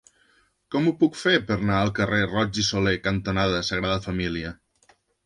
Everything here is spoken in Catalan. Com ho puc fer per anar al carrer Roig i Solé cantonada Sagrada Família?